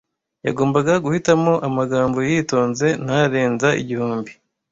Yagombaga guhitamo amagambo yitonze. Ntarenza igihumbi.